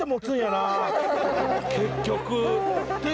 結局。